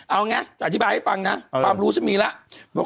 เอาไงจะอธิบายให้ฟังนะความรู้ฉันมีแล้ว